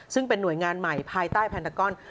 ซึ่งเป็นหน่วยงานใหม่ภายใต้แพนตากอน